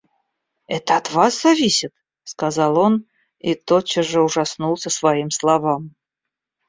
Это от вас зависит, — сказал он и тотчас же ужаснулся своим словам.